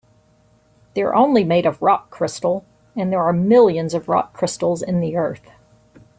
They're only made of rock crystal, and there are millions of rock crystals in the earth.